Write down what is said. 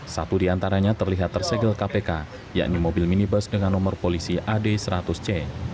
satu di antaranya terlihat tersegel kpk yakni mobil minibus dengan nomor polisi ad seratus c